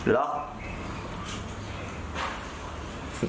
ลอง